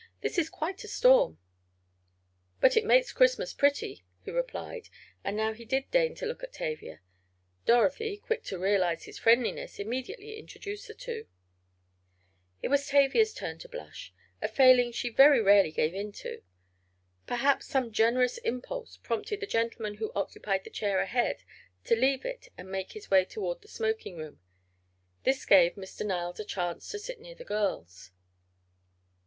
This is quite a storm." "But it makes Christmas pretty," he replied, and now he did deign to look at Tavia. Dorothy, quick to realize his friendliness, immediately introduced the two. It was Tavia's turn to blush—a failing she very rarely gave in to. Perhaps some generous impulse prompted the gentleman who occupied the chair ahead to leave it and make his way toward the smoking room. This gave Mr. Niles a chance to sit near the girls.